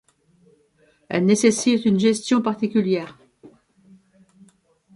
Elle nécessite une gestion particulière.